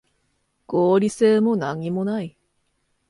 合理性もなにもない